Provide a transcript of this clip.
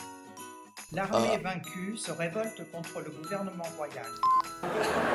L'armée vaincue se révolte contre le gouvernement royal.